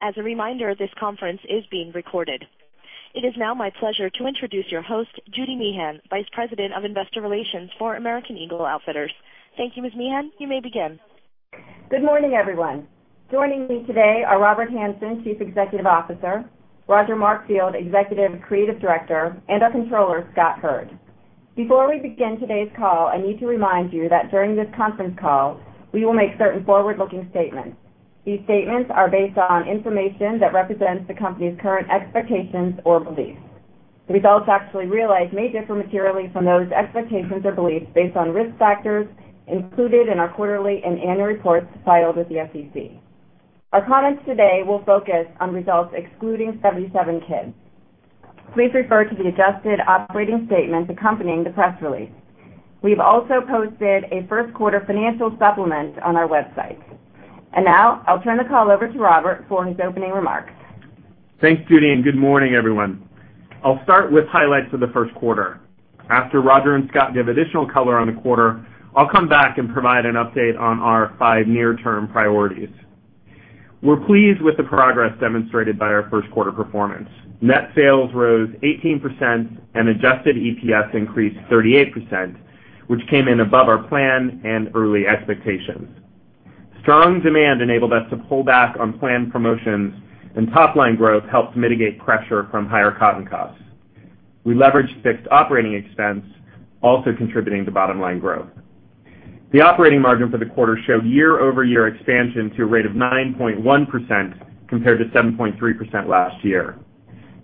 As a reminder, this conference is being recorded. It is now my pleasure to introduce your host, Judy Meehan, Vice President of Investor Relations for American Eagle Outfitters. Thank you, Ms. Meehan. You may begin. Good morning, everyone. Joining me today are Robert Hanson, Chief Executive Officer, Roger Markfield, Executive Creative Director, and our Controller, Scott Hurd. Before we begin today's call, I need to remind you that during this conference call, we will make certain forward-looking statements. These statements are based on information that represents the company's current expectations or beliefs. The results actually realized may differ materially from those expectations or beliefs based on risk factors included in our quarterly and annual reports filed with the SEC. Our comments today will focus on results excluding 77kids. Please refer to the adjusted operating statement accompanying the press release. We've also posted a first quarter financial supplement on our website. Now I'll turn the call over to Robert for his opening remarks. Thanks, Judy, and good morning, everyone. I'll start with highlights for the first quarter. After Roger and Scott give additional color on the quarter, I'll come back and provide an update on our five near-term priorities. We're pleased with the progress demonstrated by our first quarter performance. Net sales rose 18% and adjusted EPS increased 38%, which came in above our plan and early expectations. Strong demand enabled us to pull back on planned promotions, and top-line growth helped mitigate pressure from higher cotton costs. We leveraged fixed operating expense, also contributing to bottom-line growth. The operating margin for the quarter showed year-over-year expansion to a rate of 9.1% compared to 7.3% last year.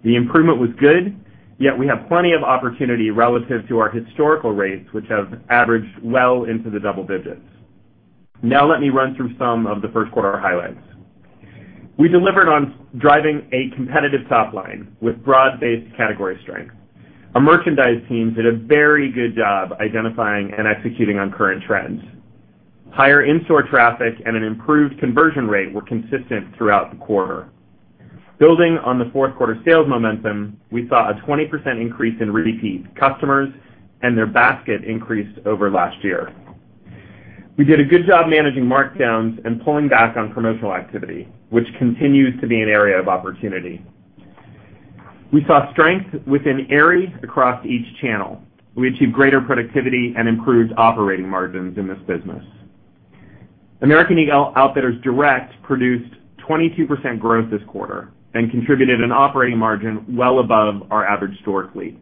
The improvement was good, yet we have plenty of opportunity relative to our historical rates, which have averaged well into the double digits. Let me run through some of the first quarter highlights. We delivered on driving a competitive top line with broad-based category strength. Our merchandise teams did a very good job identifying and executing on current trends. Higher in-store traffic and an improved conversion rate were consistent throughout the quarter. Building on the fourth quarter sales momentum, we saw a 20% increase in repeat customers and their basket increased over last year. We did a good job managing markdowns and pulling back on promotional activity, which continues to be an area of opportunity. We saw strength within Aerie across each channel. We achieved greater productivity and improved operating margins in this business. American Eagle Outfitters Direct produced 22% growth this quarter and contributed an operating margin well above our average historically.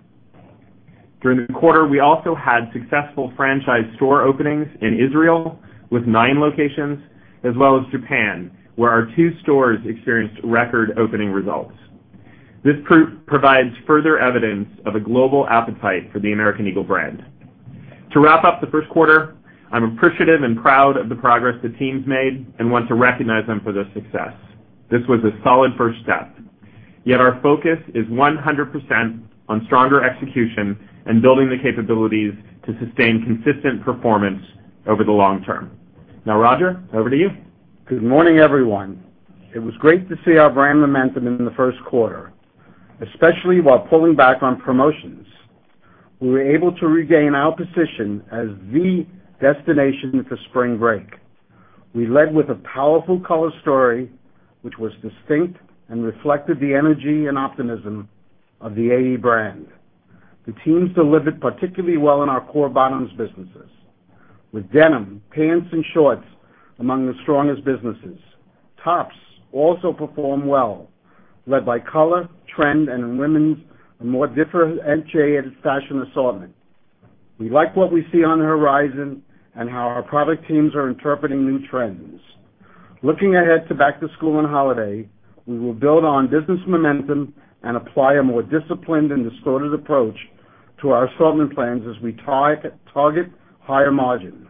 During the quarter, we also had successful franchise store openings in Israel with nine locations, as well as Japan, where our two stores experienced record-opening results. This provides further evidence of a global appetite for the American Eagle brand. To wrap up the first quarter, I'm appreciative and proud of the progress the team's made and want to recognize them for their success. This was a solid first step. Yet our focus is 100% on stronger execution and building the capabilities to sustain consistent performance over the long term. Now, Roger, over to you. Good morning, everyone. It was great to see our brand momentum in the first quarter, especially while pulling back on promotions. We were able to regain our position as the destination for spring break. We led with a powerful color story, which was distinct and reflected the energy and optimism of the AE brand. The teams delivered particularly well in our core bottoms businesses, with denim, pants, and shorts among the strongest businesses. Tops also performed well, led by color, trend, and women's more differentiated fashion assortment. We like what we see on the horizon and how our product teams are interpreting new trends. Looking ahead to back to school and holiday, we will build on business momentum and apply a more disciplined and distorted approach to our assortment plans as we target higher margin.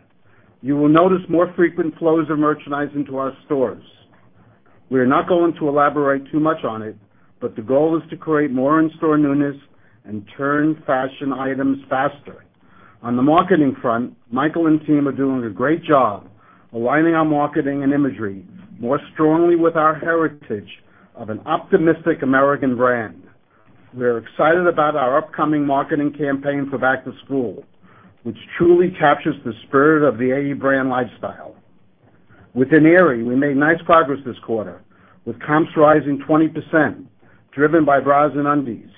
You will notice more frequent flows of merchandise into our stores. We are not going to elaborate too much on it, but the goal is to create more in-store newness and turn fashion items faster. On the marketing front, Michael and team are doing a great job aligning our marketing and imagery more strongly with our heritage of an optimistic American brand. We are excited about our upcoming marketing campaign for back to school, which truly captures the spirit of the AE brand lifestyle. Within Aerie, we made nice progress this quarter with comps rising 20%, driven by bras and undies.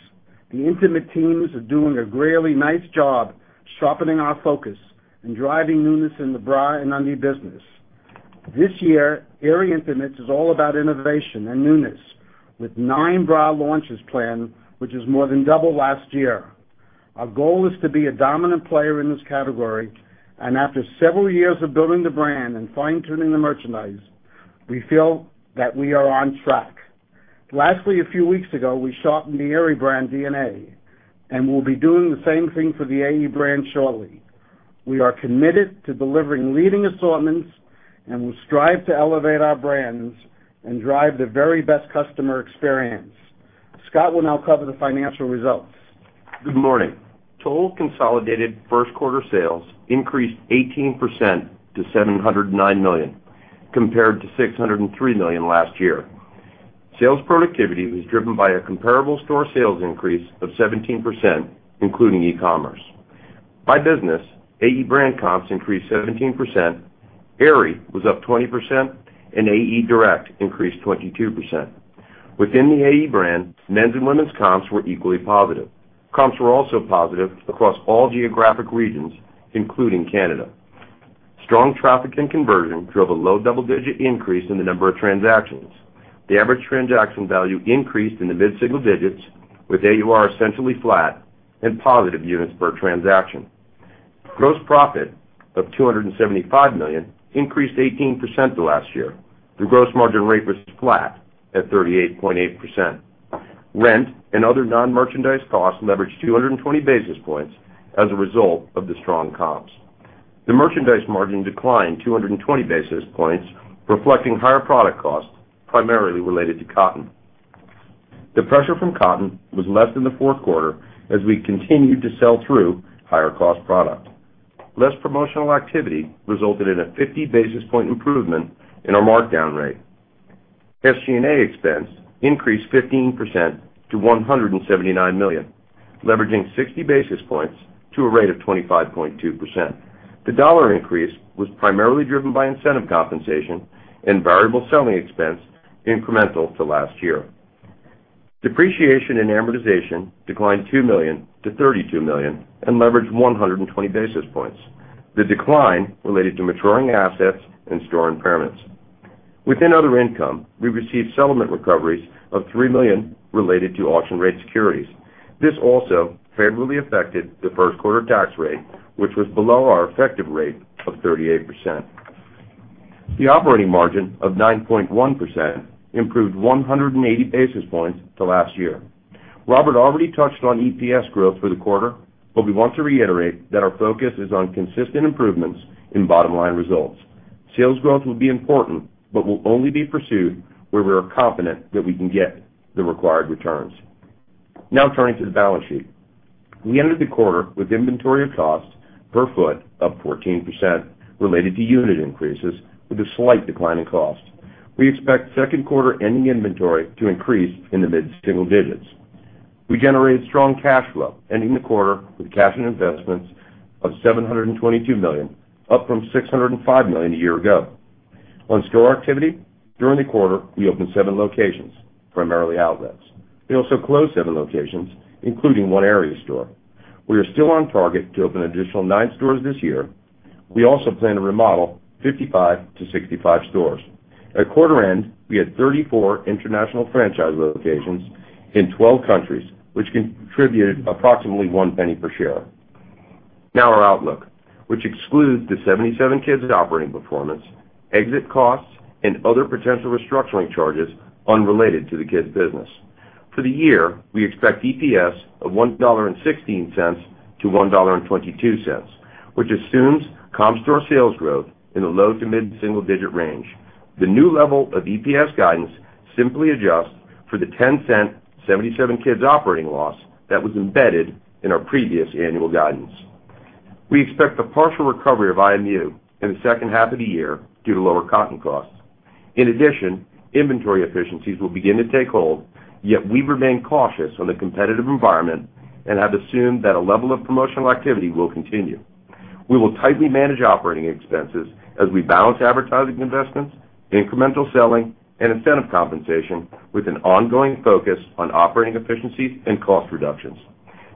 The intimate teams are doing a really nice job sharpening our focus and driving newness in the bra and undie business. This year, Aerie Intimates is all about innovation and newness with nine bra launches planned, which is more than double last year. Our goal is to be a dominant player in this category, and after several years of building the brand and fine-tuning the merchandise, we feel that we are on track. Lastly, a few weeks ago, we sharpened the Aerie brand DNA, and we'll be doing the same thing for the AE brand shortly. We are committed to delivering leading assortments and will strive to elevate our brands and drive the very best customer experience. Scott will now cover the financial results. Good morning. Total consolidated first quarter sales increased 18% to $709 million, compared to $603 million last year. Sales productivity was driven by a comparable store sales increase of 17%, including e-commerce. By business, AE brand comps increased 17%, Aerie was up 20%, and AE Direct increased 22%. Within the AE brand, men's and women's comps were equally positive. Comps were also positive across all geographic regions, including Canada. Strong traffic and conversion drove a low double-digit increase in the number of transactions. The average transaction value increased in the mid-single digits, with AUR essentially flat and positive units per transaction. Gross profit of $275 million increased 18% to last year. The gross margin rate was flat at 38.8%. Rent and other non-merchandise costs leveraged 220 basis points as a result of the strong comps. The merchandise margin declined 220 basis points, reflecting higher product costs primarily related to cotton. The pressure from cotton was less than the fourth quarter as we continued to sell through higher-cost product. Less promotional activity resulted in a 50-basis-point improvement in our markdown rate. SG&A expense increased 15% to $179 million, leveraging 60 basis points to a rate of 25.2%. The dollar increase was primarily driven by incentive compensation and variable selling expense incremental to last year. Depreciation and amortization declined $2 million to $32 million and leveraged 120 basis points. The decline related to maturing assets and store impairments. Within other income, we received settlement recoveries of $3 million related to auction-rate securities. This also favorably affected the first quarter tax rate, which was below our effective rate of 38%. The operating margin of 9.1% improved 180 basis points to last year. Robert already touched on EPS growth for the quarter. We want to reiterate that our focus is on consistent improvements in bottom-line results. Sales growth will be important but will only be pursued where we are confident that we can get the required returns. Now turning to the balance sheet. We ended the quarter with inventory of cost per foot up 14% related to unit increases with a slight decline in cost. We expect second quarter ending inventory to increase in the mid-single digits. We generated strong cash flow, ending the quarter with cash and investments of $722 million, up from $605 million a year ago. On store activity, during the quarter, we opened seven locations, primarily outlets. We also closed seven locations, including one Aerie store. We are still on target to open additional nine stores this year. We also plan to remodel 55-65 stores. At quarter end, we had 34 international franchise locations in 12 countries, which contributed approximately $0.01 per share. Our outlook, which excludes the 77kids operating performance, exit costs, and other potential restructuring charges unrelated to the Kids business. For the year, we expect EPS of $1.16 to $1.22, which assumes comp store sales growth in the low to mid-single-digit range. The new level of EPS guidance simply adjusts for the $0.10 77kids operating loss that was embedded in our previous annual guidance. We expect a partial recovery of IMU in the second half of the year due to lower cotton costs. In addition, inventory efficiencies will begin to take hold, yet we remain cautious on the competitive environment and have assumed that a level of promotional activity will continue. We will tightly manage operating expenses as we balance advertising investments, incremental selling, and incentive compensation with an ongoing focus on operating efficiencies and cost reductions.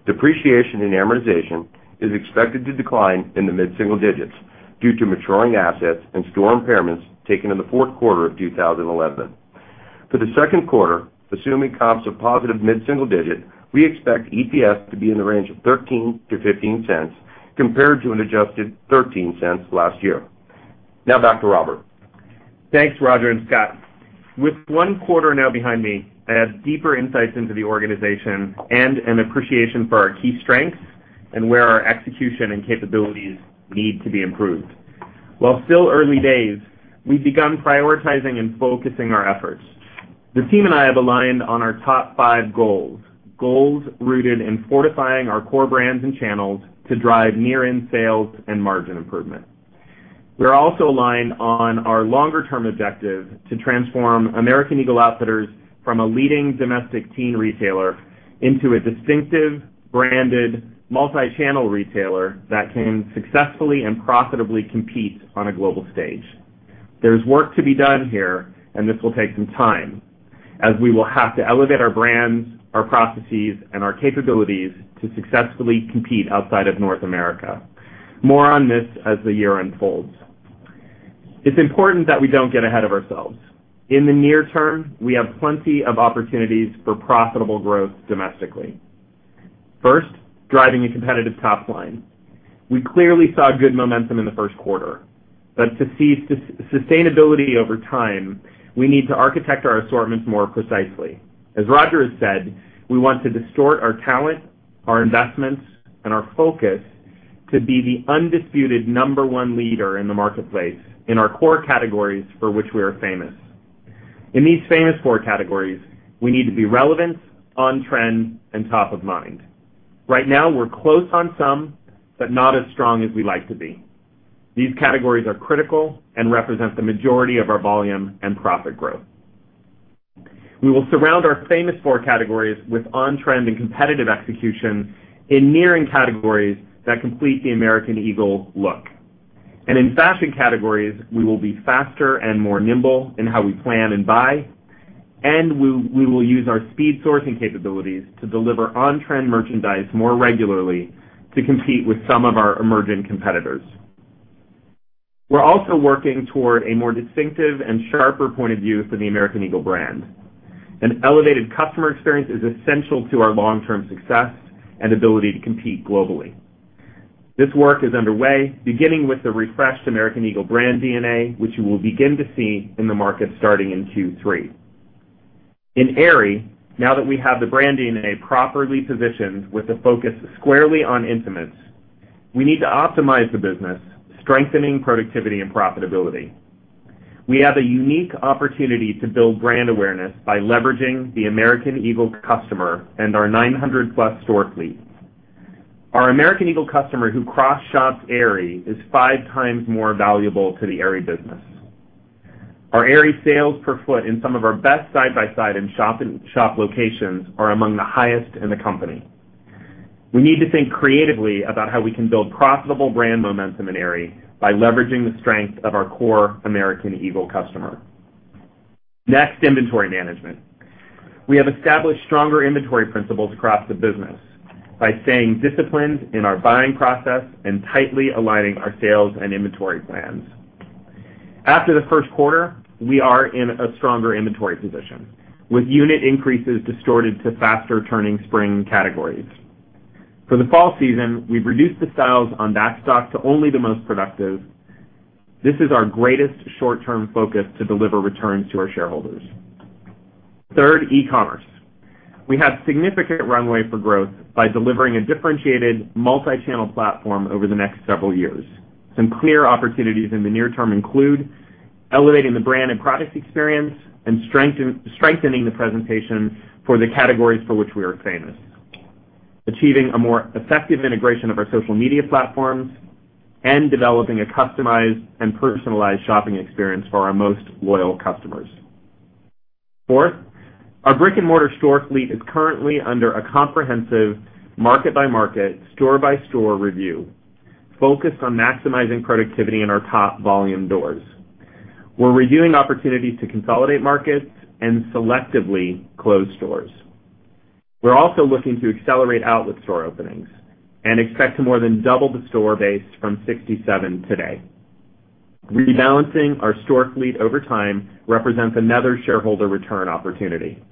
Depreciation and amortization is expected to decline in the mid-single digits due to maturing assets and store impairments taken in the fourth quarter of 2011. For the second quarter, assuming comps of positive mid-single digit, we expect EPS to be in the range of $0.13 to $0.15 compared to an adjusted $0.13 last year. Now back to Robert. Thanks, Roger and Scott. With one quarter now behind me, I have deeper insights into the organization and an appreciation for our key strengths and where our execution and capabilities need to be improved. While still early days, we've begun prioritizing and focusing our efforts. The team and I have aligned on our top five goals rooted in fortifying our core brands and channels to drive near-in sales and margin improvement. We're also aligned on our longer-term objective to transform American Eagle Outfitters from a leading domestic teen retailer into a distinctive branded multi-channel retailer that can successfully and profitably compete on a global stage. There's work to be done here, and this will take some time, as we will have to elevate our brands, our processes, and our capabilities to successfully compete outside of North America. More on this as the year unfolds. It's important that we don't get ahead of ourselves. In the near term, we have plenty of opportunities for profitable growth domestically. First, driving a competitive top line. We clearly saw good momentum in the first quarter. To see sustainability over time, we need to architect our assortments more precisely. As Roger has said, we want to distort our talent, our investments, and our focus to be the undisputed number one leader in the marketplace in our core categories for which we are famous. In these famous four categories, we need to be relevant, on-trend, and top of mind. Right now, we're close on some, but not as strong as we'd like to be. These categories are critical and represent the majority of our volume and profit growth. We will surround our famous four categories with on-trend and competitive execution in nearing categories that complete the American Eagle look. In fashion categories, we will be faster and more nimble in how we plan and buy, and we will use our speed sourcing capabilities to deliver on-trend merchandise more regularly to compete with some of our emerging competitors. We're also working toward a more distinctive and sharper point of view for the American Eagle brand. An elevated customer experience is essential to our long-term success and ability to compete globally. This work is underway, beginning with the refreshed American Eagle brand DNA, which you will begin to see in the market starting in Q3. In Aerie, now that we have the brand DNA properly positioned with a focus squarely on intimates, we need to optimize the business, strengthening productivity and profitability. We have a unique opportunity to build brand awareness by leveraging the American Eagle customer and our 900-plus store fleet. Our American Eagle customer who cross-shops Aerie is five times more valuable to the Aerie business. Our Aerie sales per foot in some of our best side-by-side and shop locations are among the highest in the company. We need to think creatively about how we can build profitable brand momentum in Aerie by leveraging the strength of our core American Eagle customer. Next, inventory management. We have established stronger inventory principles across the business by staying disciplined in our buying process and tightly aligning our sales and inventory plans. After the first quarter, we are in a stronger inventory position, with unit increases distorted to faster-turning spring categories. For the fall season, we've reduced the styles on backstock to only the most productive. This is our greatest short-term focus to deliver returns to our shareholders. Third, e-commerce. We have significant runway for growth by delivering a differentiated multi-channel platform over the next several years. Some clear opportunities in the near term include elevating the brand and product experience and strengthening the presentation for the categories for which we are famous, achieving a more effective integration of our social media platforms, and developing a customized and personalized shopping experience for our most loyal customers. Fourth, our brick-and-mortar store fleet is currently under a comprehensive market-by-market, store-by-store review focused on maximizing productivity in our top volume doors. We're reviewing opportunities to consolidate markets and selectively close stores. We're also looking to accelerate outlet store openings and expect to more than double the store base from 67 today. Rebalancing our store fleet over time represents another shareholder return opportunity.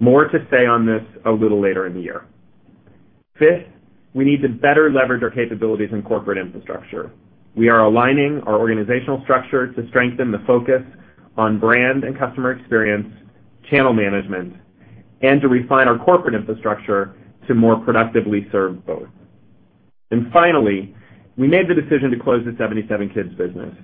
More to say on this a little later in the year. Fifth, we need to better leverage our capabilities in corporate infrastructure. We are aligning our organizational structure to strengthen the focus on brand and customer experience, channel management, and to refine our corporate infrastructure to more productively serve both. Finally, we made the decision to close the 77kids business.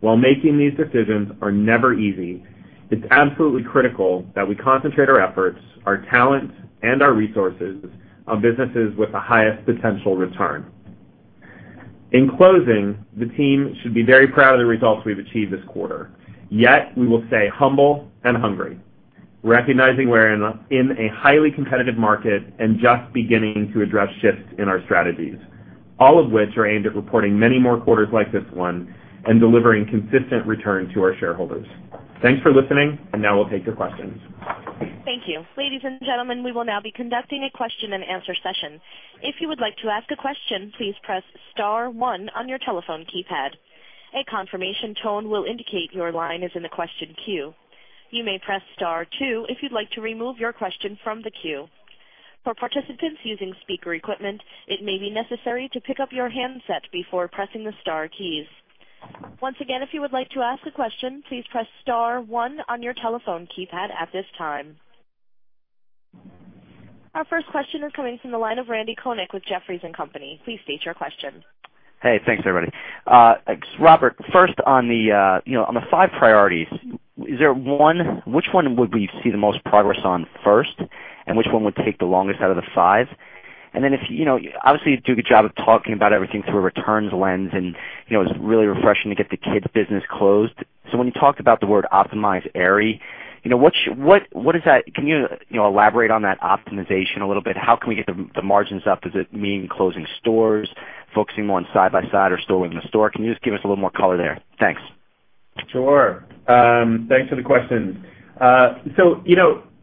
While making these decisions are never easy, it's absolutely critical that we concentrate our efforts, our talents, and our resources on businesses with the highest potential return. In closing, the team should be very proud of the results we've achieved this quarter. We will stay humble and hungry, recognizing we're in a highly competitive market and just beginning to address shifts in our strategies. All of which are aimed at reporting many more quarters like this one and delivering consistent return to our shareholders. Thanks for listening. Now we'll take your questions. Thank you. Ladies and gentlemen, we will now be conducting a question-and-answer session. If you would like to ask a question, please press *1 on your telephone keypad. A confirmation tone will indicate your line is in the question queue. You may press *2 if you'd like to remove your question from the queue. For participants using speaker equipment, it may be necessary to pick up your handset before pressing the star keys. Once again, if you would like to ask a question, please press *1 on your telephone keypad at this time. Our first question is coming from the line of Randy Konik with Jefferies & Company. Please state your question. Hey, thanks, everybody. Robert, first on the five priorities, which one would we see the most progress on first, and which one would take the longest out of the five? Then if, obviously, you do a good job of talking about everything through a returns lens, and it's really refreshing to get the kids' business closed. When you talked about the word optimize Aerie, can you elaborate on that optimization a little bit? How can we get the margins up? Does it mean closing stores, focusing more on side by side or store within a store? Can you just give us a little more color there? Thanks. Sure. Thanks for the questions.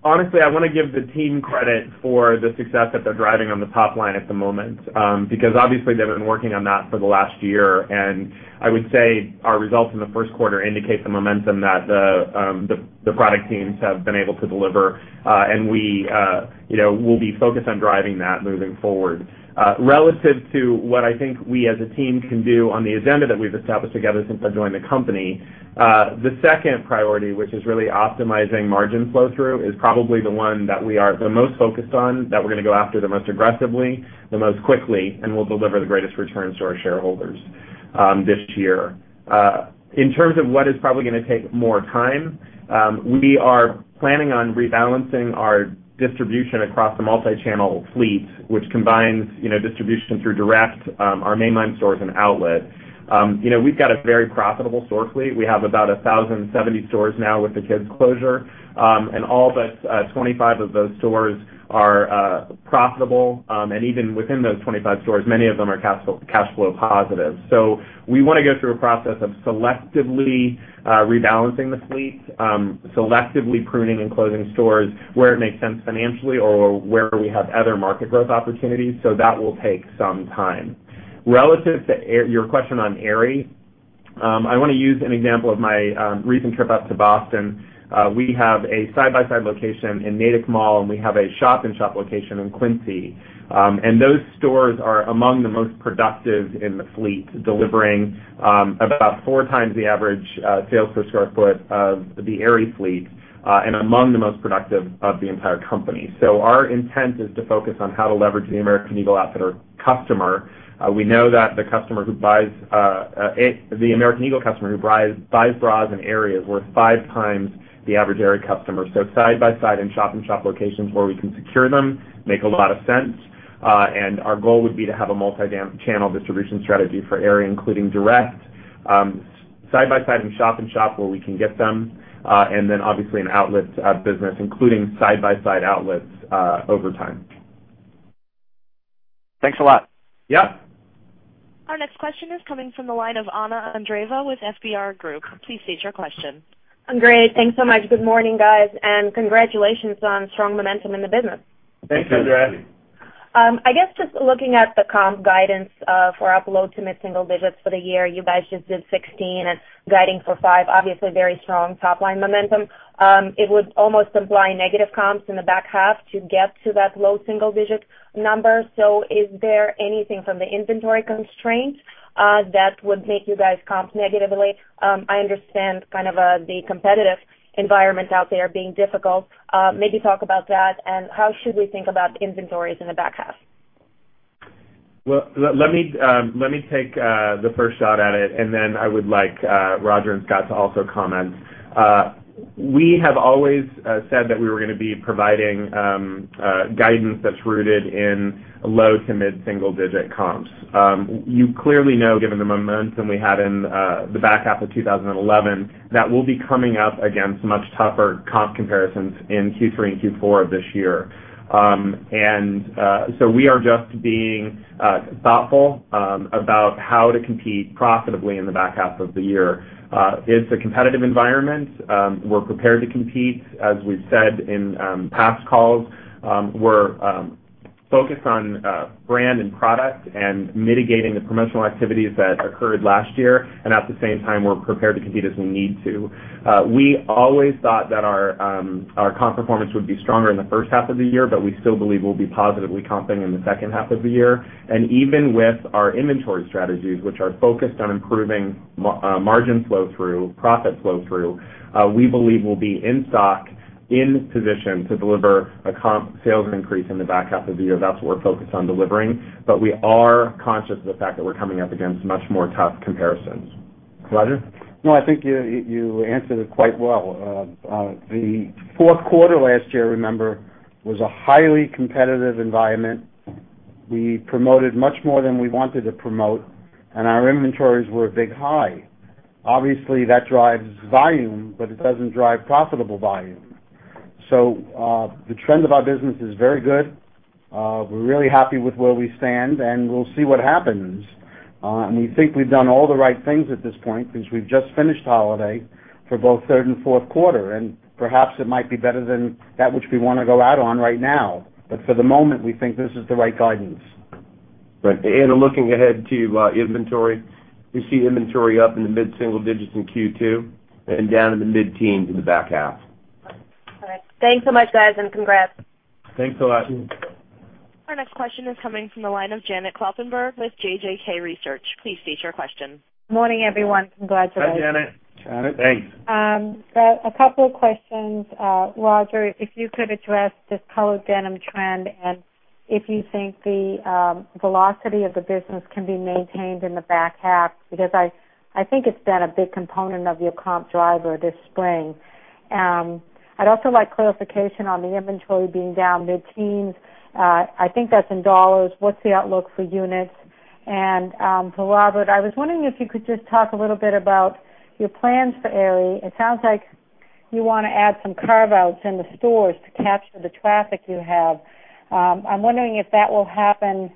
Honestly, I want to give the team credit for the success that they're driving on the top line at the moment because obviously they've been working on that for the last year, and I would say our results in the first quarter indicate the momentum that the product teams have been able to deliver, and we'll be focused on driving that moving forward. Relative to what I think we as a team can do on the agenda that we've established together since I joined the company, the second priority, which is really optimizing margin flow-through, is probably the one that we are the most focused on, that we're going to go after the most aggressively, the most quickly, and will deliver the greatest returns to our shareholders this year. In terms of what is probably going to take more time, we are planning on rebalancing our distribution across the multi-channel fleet, which combines distribution through direct, our mainline stores, and outlet. We've got a very profitable store fleet. We have about 1,070 stores now with the kids' closure, and all but 25 of those stores are profitable. Even within those 25 stores, many of them are cash flow positive. We want to go through a process of selectively rebalancing the fleet, selectively pruning and closing stores where it makes sense financially or where we have other market growth opportunities, so that will take some time. Relative to your question on Aerie I want to use an example of my recent trip up to Boston. We have a side-by-side location in Natick Mall, and we have a shop-in-shop location in Quincy. Those stores are among the most productive in the fleet, delivering about four times the average sales per square foot of the Aerie fleet, and among the most productive of the entire company. Our intent is to focus on how to leverage the American Eagle Outfitter customer. We know that the American Eagle customer who buys bras in Aerie is worth five times the average Aerie customer. Side-by-side and shop-in-shop locations where we can secure them make a lot of sense. Our goal would be to have a multi-channel distribution strategy for Aerie, including direct side-by-side and shop-in-shop where we can get them, and then obviously an outlet business, including side-by-side outlets over time. Thanks a lot. Yeah. Our next question is coming from the line of Anna Andreeva with FBR Group. Please state your question. Great. Thanks so much. Good morning, guys, and congratulations on strong momentum in the business. Thanks. Thanks for Anna. I guess just looking at the comp guidance for low to mid-single digits for the year, you guys just did 16 and guiding for 5, obviously very strong top-line momentum. It would almost imply negative comps in the back half to get to that low single-digit number. Is there anything from the inventory constraints that would make you guys comp negatively? I understand the competitive environment out there being difficult. Maybe talk about that and how should we think about inventories in the back half. Well, let me take the first shot at it, and then I would like Roger and Scott to also comment. We have always said that we were going to be providing guidance that's rooted in low- to mid-single digit comps. You clearly know, given the momentum we had in the back half of 2011, that we'll be coming up against much tougher comp comparisons in Q3 and Q4 of this year. We are just being thoughtful about how to compete profitably in the back half of the year. It's a competitive environment. We're prepared to compete, as we've said in past calls. We're focused on brand and product and mitigating the promotional activities that occurred last year, and at the same time, we're prepared to compete as we need to. We always thought that our comp performance would be stronger in the first half of the year, but we still believe we'll be positively comping in the second half of the year. Even with our inventory strategies, which are focused on improving margin flow through, profit flow through, we believe we'll be in stock, in position to deliver a comp sales increase in the back half of the year. That's what we're focused on delivering. We are conscious of the fact that we're coming up against much more tough comparisons. Roger? No, I think you answered it quite well. The fourth quarter last year, remember, was a highly competitive environment. We promoted much more than we wanted to promote, and our inventories were a big high. Obviously, that drives volume, but it doesn't drive profitable volume. The trend of our business is very good. We're really happy with where we stand, and we'll see what happens. We think we've done all the right things at this point because we've just finished holiday for both third and fourth quarter, and perhaps it might be better than that which we want to go out on right now. For the moment, we think this is the right guidance. Right. Looking ahead to inventory, we see inventory up in the mid-single digits in Q2 and down in the mid-teens in the back half. All right. Thanks so much, guys, and congrats. Thanks a lot. Our next question is coming from the line of Janet Kloppenburg with JJK Research. Please state your question. Morning, everyone. I'm glad you're back. Hi, Janet. Janet, hey. A couple of questions. Roger, if you could address this colored denim trend and if you think the velocity of the business can be maintained in the back half, because I think it's been a big component of your comp driver this spring. I'd also like clarification on the inventory being down mid-teens. I think that's in dollars. What's the outlook for units? To Robert, I was wondering if you could just talk a little bit about your plans for Aerie. It sounds like you want to add some carve-outs in the stores to capture the traffic you have. I'm wondering if that will happen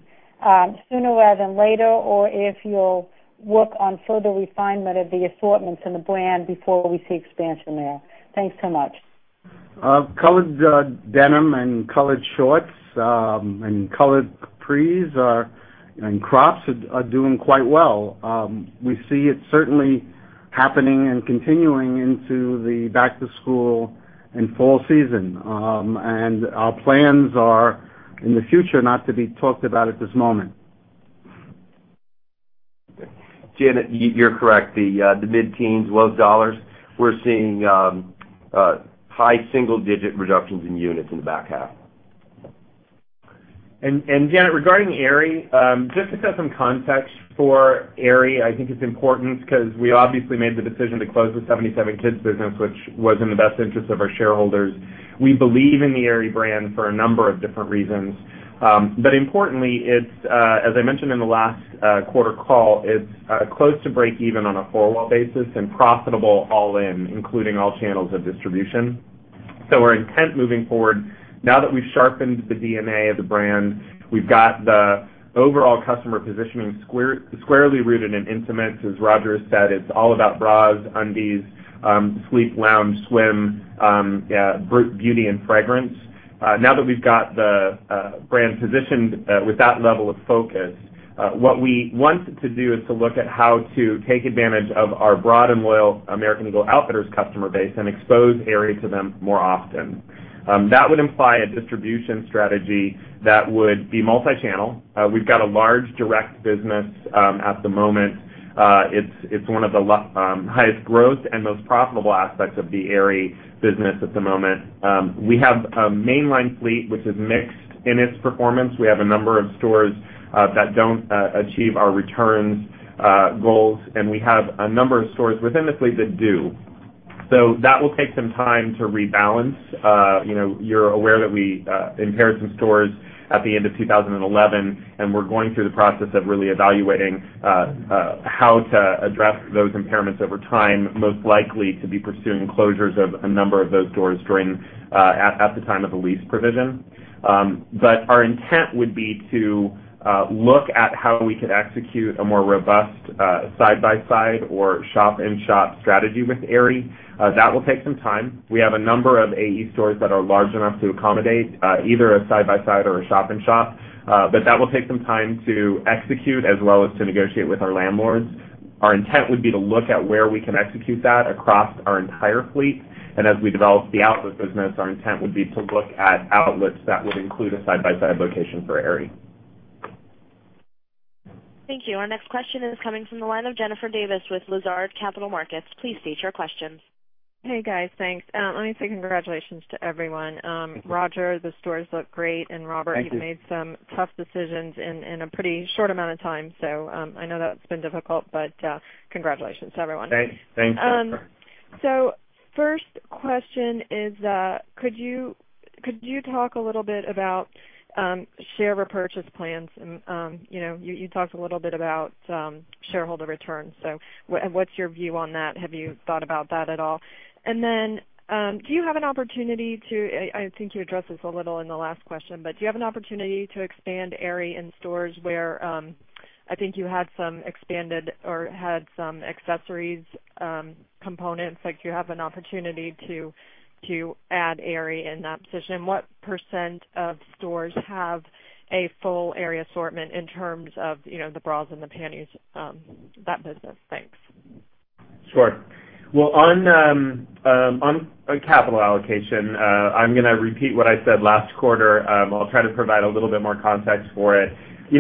sooner rather than later or if you'll work on further refinement of the assortments in the brand before we see expansion there. Thanks so much. Colored denim and colored shorts and colored capris and crops are doing quite well. We see it certainly happening and continuing into the back to school and fall season. Our plans are in the future, not to be talked about at this moment. Janet, you're correct. The mid-teens, low $. We're seeing high single-digit reductions in units in the back half. Janet, regarding Aerie, just to set some context for Aerie, I think it's important because we obviously made the decision to close the 77kids business, which was in the best interest of our shareholders. We believe in the Aerie brand for a number of different reasons. Importantly, as I mentioned in the last quarter call, it's close to breakeven on a firewall basis and profitable all in, including all channels of distribution. Our intent moving forward, now that we've sharpened the DNA of the brand, we've got the overall customer positioning squarely rooted in intimates. As Roger has said, it's all about bras, undies, sleep, lounge, swim, beauty, and fragrance. Now that we've got the brand positioned with that level of focus, what we want to do is to look at how to take advantage of our broad and loyal American Eagle Outfitters customer base and expose Aerie to them more often. That would imply a distribution strategy that would be multi-channel. We've got a large direct business at the moment. It's one of the highest growth and most profitable aspects of the Aerie business at the moment. We have a mainline fleet, which is mixed in its performance. We have a number of stores that don't achieve our returns goals, and we have a number of stores within the fleet that do. That will take some time to rebalance. You're aware that we impaired some stores at the end of 2011, and we're going through the process of really evaluating how to address those impairments over time, most likely to be pursuing closures of a number of those stores at the time of the lease provision. Our intent would be to look at how we could execute a more robust side by side or shop-in-shop strategy with Aerie. That will take some time. We have a number of AE stores that are large enough to accommodate either a side by side or a shop-in-shop. That will take some time to execute as well as to negotiate with our landlords. Our intent would be to look at where we can execute that across our entire fleet. As we develop the outlet business, our intent would be to look at outlets that would include a side-by-side location for Aerie. Thank you. Our next question is coming from the line of Jennifer Davis with Lazard Capital Markets. Please state your questions. Hey, guys. Thanks. Let me say congratulations to everyone. Roger, the stores look great. Thank you. Robert, you've made some tough decisions in a pretty short amount of time. I know that's been difficult, but congratulations to everyone. Thanks, Jennifer. First question is, could you talk a little bit about share repurchase plans and you talked a little bit about shareholder returns. What's your view on that? Have you thought about that at all? Then, do you have an opportunity to I think you addressed this a little in the last question, but do you have an opportunity to expand Aerie in stores where, I think you had some expanded or had some accessories components, like you have an opportunity to add Aerie in that position. What % of stores have a full Aerie assortment in terms of the bras and the panties, that business? Thanks. Well, on capital allocation, I'm going to repeat what I said last quarter. I'll try to provide a little bit more context for it.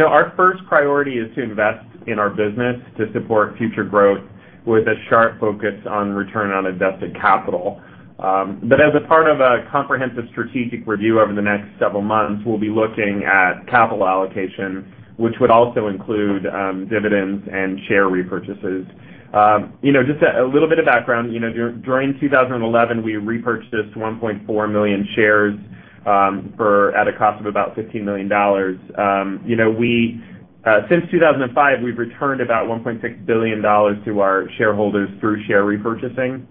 Our first priority is to invest in our business to support future growth with a sharp focus on return on invested capital. As a part of a comprehensive strategic review over the next several months, we'll be looking at capital allocation, which would also include dividends and share repurchases. Just a little bit of background. During 2011, we repurchased 1.4 million shares at a cost of about $15 million. Since 2005, we've returned about $1.6 billion to our shareholders through share repurchasing.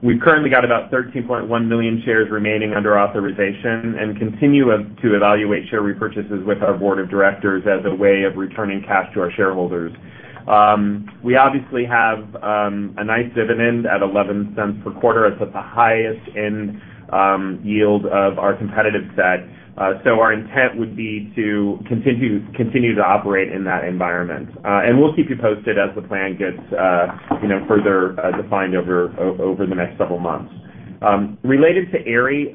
We've currently got about 13.1 million shares remaining under authorization and continue to evaluate share repurchases with our board of directors as a way of returning cash to our shareholders. We obviously have a nice dividend at $0.11 per quarter. It's at the highest in yield of our competitive set. Our intent would be to continue to operate in that environment. We'll keep you posted as the plan gets further defined over the next several months. Related to Aerie,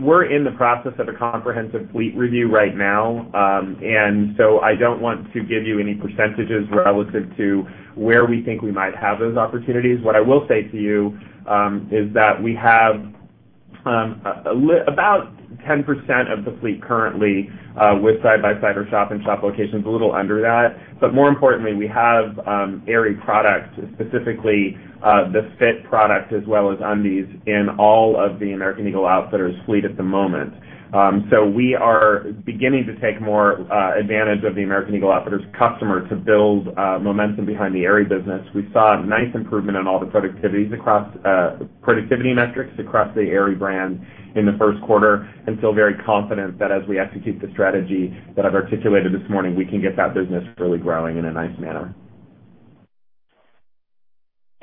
we're in the process of a comprehensive fleet review right now, I don't want to give you any percentages relative to where we think we might have those opportunities. What I will say to you is that we have about 10% of the fleet currently with side by side or shop-in-shop locations, a little under that. More importantly, we have Aerie products, specifically the aerie f.i.t. product as well as undies in all of the American Eagle Outfitters fleet at the moment. We are beginning to take more advantage of the American Eagle Outfitters customer to build momentum behind the Aerie business. We saw a nice improvement in all the productivity metrics across the Aerie brand in the first quarter and feel very confident that as we execute the strategy that I've articulated this morning, we can get that business really growing in a nice manner.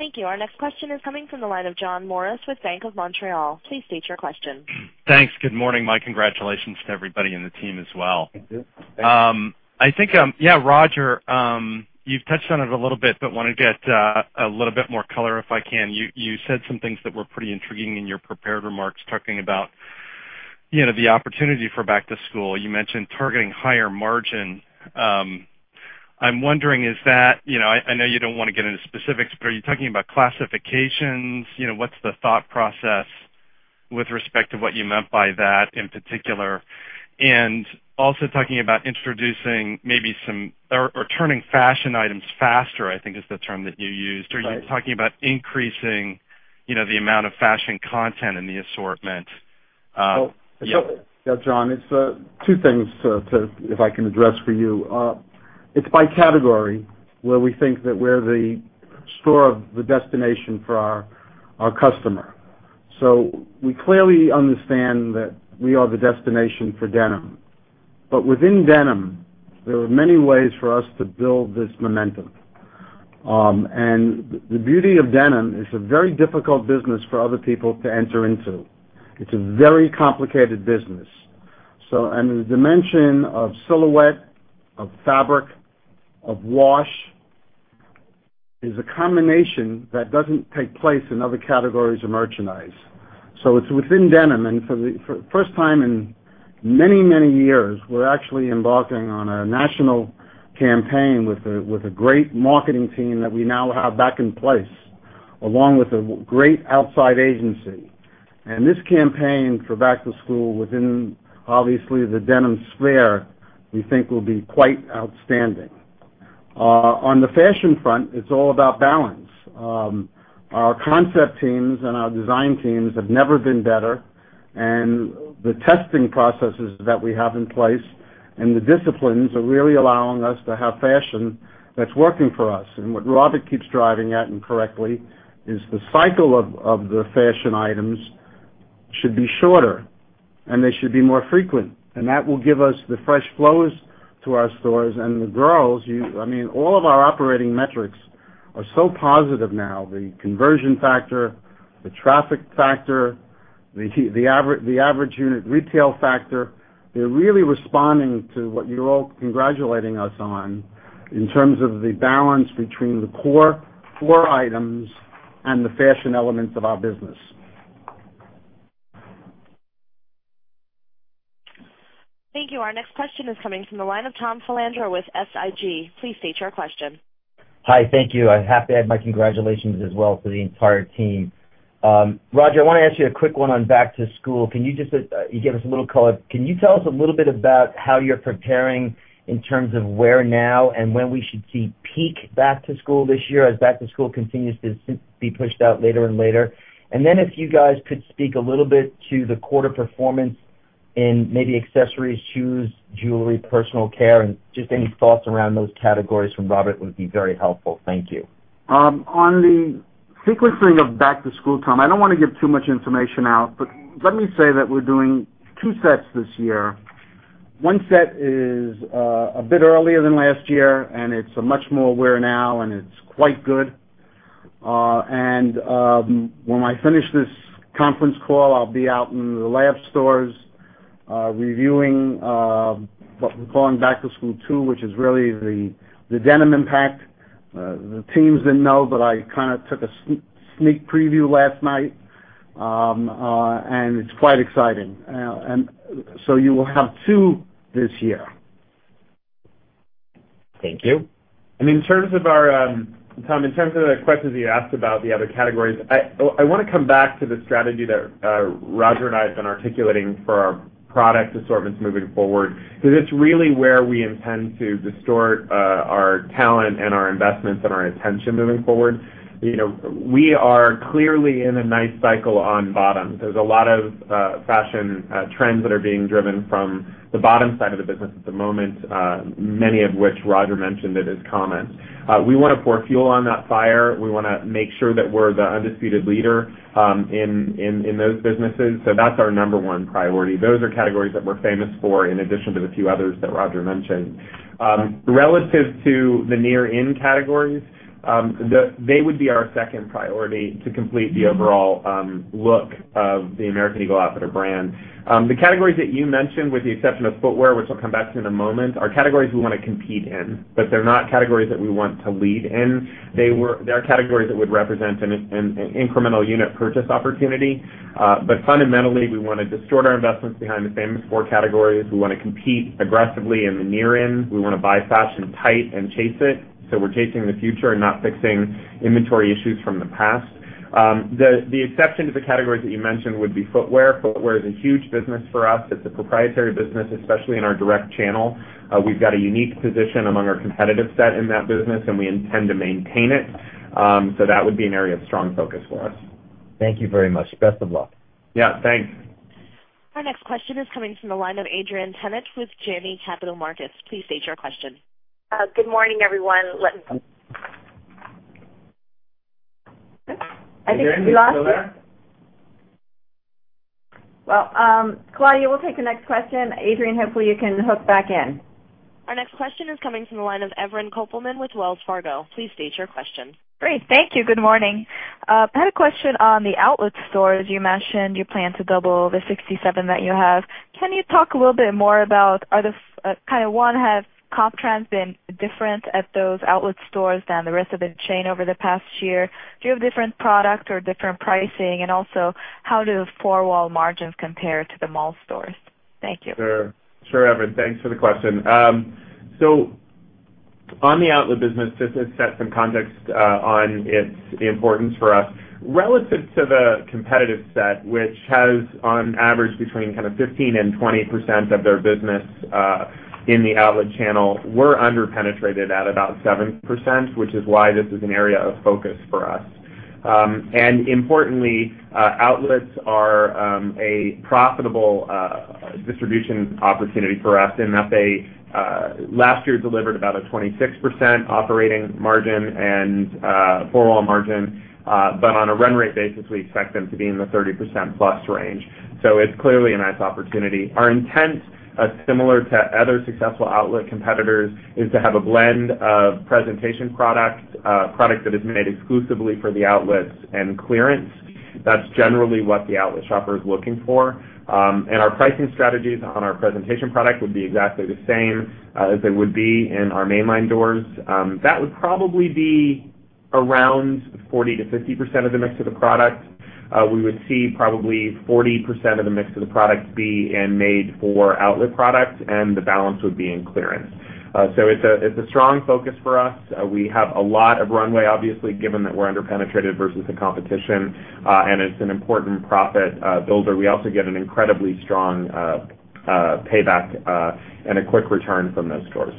Thank you. Our next question is coming from the line of John Morris with Bank of Montreal. Please state your question. Thanks. Good morning. My congratulations to everybody in the team as well. Thank you. Roger, you've touched on it a little bit, but want to get a little bit more color, if I can. You said some things that were pretty intriguing in your prepared remarks, talking about the opportunity for back to school. You mentioned targeting higher margin. I'm wondering, I know you don't want to get into specifics, but are you talking about classifications? What's the thought process with respect to what you meant by that in particular? Also talking about introducing maybe some or turning fashion items faster, I think is the term that you used. Right. Are you talking about increasing the amount of fashion content in the assortment? Yeah, John, it's two things, if I can address for you. It's by category where we think that we're the store of the destination for our customer. We clearly understand that we are the destination for denim. Within denim, there are many ways for us to build this momentum. The beauty of denim, it's a very difficult business for other people to enter into. It's a very complicated business. The dimension of silhouette, of fabric, of wash Is a combination that doesn't take place in other categories of merchandise. It's within denim. For the first time in many, many years, we're actually embarking on a national campaign with a great marketing team that we now have back in place, along with a great outside agency. This campaign for back to school within, obviously, the denim sphere, we think will be quite outstanding. On the fashion front, it's all about balance. Our concept teams and our design teams have never been better. The testing processes that we have in place and the disciplines are really allowing us to have fashion that's working for us. What Robert keeps driving at, and correctly, is the cycle of the fashion items should be shorter, and they should be more frequent. That will give us the fresh flows to our stores and the girls. All of our operating metrics are so positive now. The conversion factor, the traffic factor, the average unit retail factor. They're really responding to what you're all congratulating us on in terms of the balance between the core four items and the fashion elements of our business. Thank you. Our next question is coming from the line of Tom Filandro with SIG. Please state your question. Hi. Thank you. I have to add my congratulations as well to the entire team. Roger, I want to ask you a quick one on back to school. Can you give us a little color? Can you tell us a little bit about how you're preparing in terms of where now and when we should see peak back to school this year, as back to school continues to be pushed out later and later? If you guys could speak a little bit to the quarter performance in maybe accessories, shoes, jewelry, personal care, and just any thoughts around those categories from Robert would be very helpful. Thank you. On the sequencing of back to school, Tom, I don't want to give too much information out, but let me say that we're doing two sets this year. One set is a bit earlier than last year, and it's a much more wear now, and it's quite good. When I finish this conference call, I'll be out in the lab stores reviewing what we call Back to School Two, which is really the denim impact. The teams didn't know, but I took a sneak preview last night, and it's quite exciting. You will have two this year. Thank you. Tom, in terms of the questions you asked about the other categories, I want to come back to the strategy that Roger and I have been articulating for our product assortments moving forward, because it's really where we intend to distort our talent and our investments and our attention moving forward. We are clearly in a nice cycle on bottom. There's a lot of fashion trends that are being driven from the bottom side of the business at the moment, many of which Roger mentioned in his comments. We want to pour fuel on that fire. We want to make sure that we're the undisputed leader in those businesses. That's our number one priority. Those are categories that we're famous for, in addition to the few others that Roger mentioned. Relative to the near-in categories, they would be our second priority to complete the overall look of the American Eagle Outfitters brand. The categories that you mentioned, with the exception of footwear, which I'll come back to in a moment, are categories we want to compete in, but they're not categories that we want to lead in. They are categories that would represent an incremental unit purchase opportunity. Fundamentally, we want to distort our investments behind the famous four categories. We want to compete aggressively in the near in. We want to buy fashion tight and chase it. We're chasing the future and not fixing inventory issues from the past. The exception to the categories that you mentioned would be footwear. Footwear is a huge business for us. It's a proprietary business, especially in our direct channel. We've got a unique position among our competitive set in that business, and we intend to maintain it. That would be an area of strong focus for us. Thank you very much. Best of luck. Yeah, thanks. Our next question is coming from the line of Adrienne Yih with Janney Capital Markets. Please state your question. Good morning, everyone. Adrienne, you still there? I think we lost you. Well Claudia, we'll take the next question. Adrienne, hopefully you can hook back in. Our next question is coming from the line of Evren Kopelman with Wells Fargo. Please state your question. Great. Thank you. Good morning. I had a question on the outlet stores. You mentioned you plan to double the 67 that you have. Can you talk a little bit more about, 1, have comp trends been different at those outlet stores than the rest of the chain over the past year? Do you have different product or different pricing? Also, how do four-wall margins compare to the mall stores? Thank you. Sure. Sure, Evren. Thanks for the question. On the outlet business, just to set some context on its importance for us. Relative to the competitive set, which has on average between 15%-20% of their business in the outlet channel, we're under-penetrated at about 7%, which is why this is an area of focus for us. Importantly, outlets are a profitable distribution opportunity for us in that they last year delivered about a 26% operating margin and four-wall margin. On a run rate basis, we expect them to be in the 30%-plus range. It's clearly a nice opportunity. Our intent, similar to other successful outlet competitors, is to have a blend of presentation product that is made exclusively for the outlets, and clearance. That's generally what the outlet shopper is looking for. Our pricing strategies on our presentation product would be exactly the same as they would be in our mainline doors. That would probably be around 40%-50% of the mix of the product. We would see probably 40% of the mix of the product be in made for outlet products, and the balance would be in clearance. It's a strong focus for us. We have a lot of runway, obviously, given that we're under-penetrated versus the competition. It's an important profit builder. We also get an incredibly strong payback and a quick return from those stores.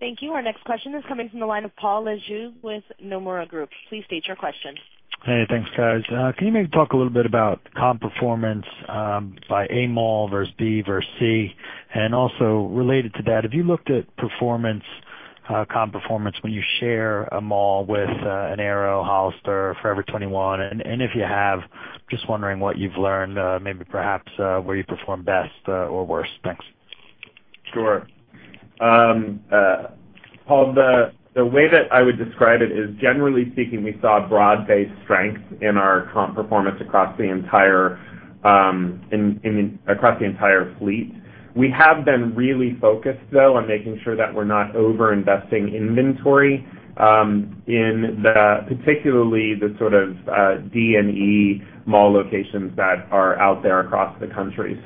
Thank you. Our next question is coming from the line of Paul Lejuez with Nomura Securities. Please state your question. Hey, thanks, guys. Can you maybe talk a little bit about comp performance by A mall versus B versus C? Also related to that, have you looked at comp performance when you share a mall with an Aéropostale, Hollister, Forever 21? If you have, just wondering what you've learned, maybe perhaps where you perform best or worst. Thanks. Sure. Paul, the way that I would describe it is, generally speaking, we saw broad-based strength in our comp performance across the entire fleet. We have been really focused, though, on making sure that we're not over-investing inventory in particularly the sort of D and E mall locations that are out there across the country.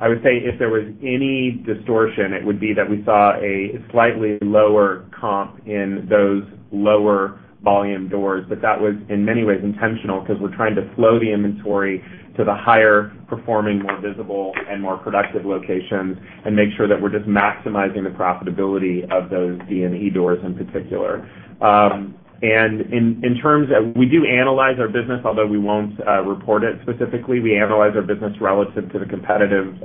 I would say if there was any distortion, it would be that we saw a slightly lower comp in those lower volume doors. That was in many ways intentional because we're trying to flow the inventory to the higher performing, more visible, and more productive locations and make sure that we're just maximizing the profitability of those D and E doors in particular. We do analyze our business, although we won't report it specifically. We analyze our business relative to the competitive